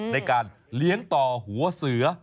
ในการเลี้ยงต่อหัวเสือ